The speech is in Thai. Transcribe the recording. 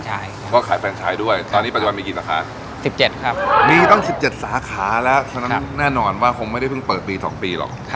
อ๋อแล้วฉะนั้นแน่นอนว่าคงไม่ได้เพิ่งเปิดปี๒ปีหรอก